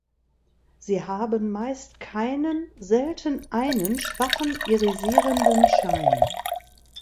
Sie haben meist keinen, selten einen schwachen irisierenden Schein.